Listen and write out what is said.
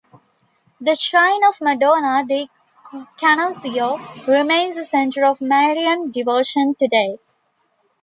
The shrine of Madonna di Canoscio remains a center of Marian devotion today.